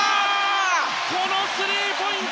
このスリーポイント！